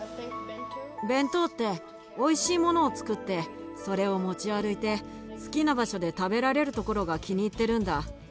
弁当っておいしいものをつくってそれを持ち歩いて好きな場所で食べられるところが気に入ってるんだ。